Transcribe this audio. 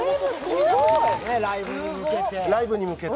ライブに向けて？